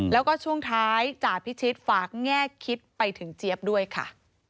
แล้วก็ช่วงท้ายจ่าพิชิตฝากแง่คิดไปถึงเจี๊ยบด้วยค่ะ